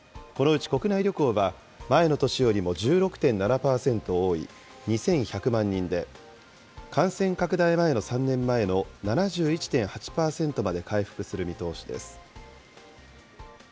このうち国内旅行は、前の年よりも１６．７％多い２１００万人で、感染拡大前の３年前の７１．８％まで回復する見通しです。